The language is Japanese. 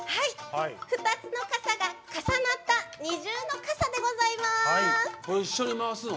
２つの傘が重なった二重の傘でございます。